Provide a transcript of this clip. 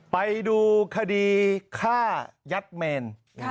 ไปดูคดีฆ่ายัดเมน